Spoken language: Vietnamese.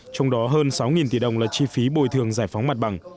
trong đó hơn sáu tỷ đồng là chi phí bồi thường giải phóng mặt bằng